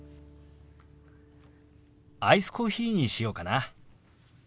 アイスコーヒーにしようかな。